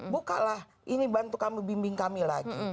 bukalah ini bantu kami bimbing kami lagi